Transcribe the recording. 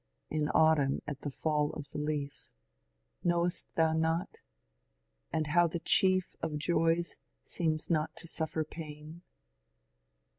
In Aatamn at the fall of the leaf, Knowest thou not ? and how the chief Of jojs seems not to suffer pain